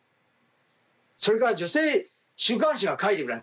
それから女性週刊誌は書いてくれん。